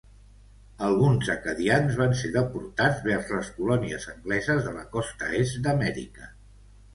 Alguns acadians van ser deportats vers les colònies angleses de la costa est d'Amèrica.